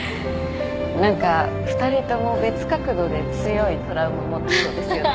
何か２人とも別角度で強いトラウマ持ってそうですよね。